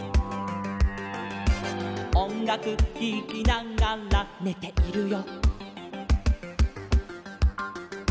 「おんがくききながらねているよ」